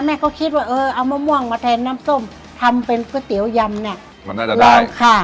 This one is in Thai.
แม่ก็คิดว่าเออเอามะม่วงมาแทนน้ำส้มทำเป็นก๋วยเตี๋ยวยำเนี่ยมันน่าจะได้ค่ะ